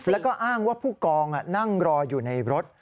แล้วก็อ้างว่าผู้กองนั่งรออยู่ในรถ